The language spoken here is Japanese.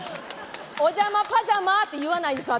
お邪魔パジャマって言わないんです私。